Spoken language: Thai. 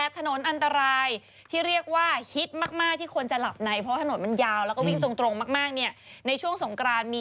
อุโมงที่เขาเปิดใหม่อุโมงสายอีสานที่เขาเปิดใหม่ตรงเขาใหญ่